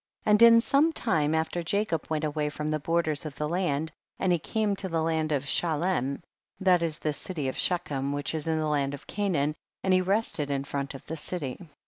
And in some time after Jacob went away from the borders of the land, and he came to the land of Shalem, that is the city of Shechem, which is in the land of Canaan, and he rested in front of the city.